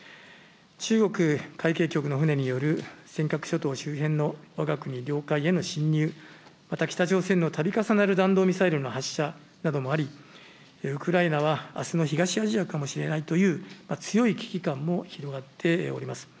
中国海警局の船による尖閣諸島周辺のわが国領海への侵入、また北朝鮮のたび重なる弾道ミサイルの発射などもあり、ウクライナはあすの東アジアかもしれないという強い危機感も広がっております。